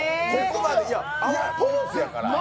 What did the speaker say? いや、ポーズやから。